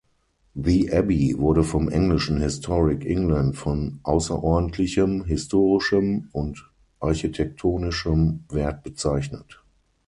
The Abbey wurde vom englischen Historic England von außerordentlichem historischem und architektonischem Wert bezeichnet.